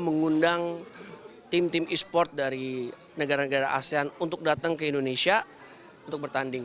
mengundang tim tim e sport dari negara negara asean untuk datang ke indonesia untuk bertanding